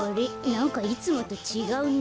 なんかいつもとちがうな。